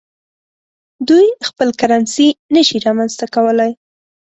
دوی خپل کرنسي نشي رامنځته کولای.